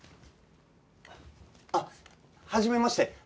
あっはじめまして。